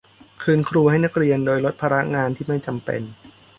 คืนครูให้นักเรียนโดยลดภาระงานที่ไม่จำเป็น